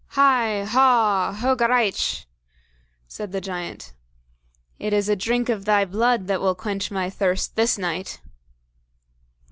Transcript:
"HI! HAW!! HOGARAICH!!!" said the giant. "It is a drink of thy blood that will quench my thirst this night."